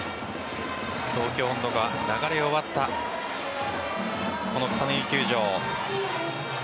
「東京音頭」が流れ終わったこの草薙球場。